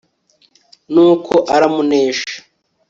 nuko aramunesha